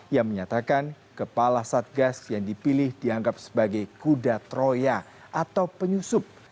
yang menyatakan kepala satgas yang dipilih dianggap sebagai kuda troya atau penyusup